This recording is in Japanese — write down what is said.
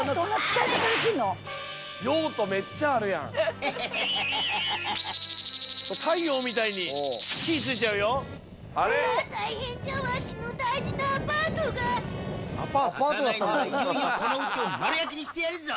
「貸さないならいよいよこのうちを丸焼きにしてやるぞ」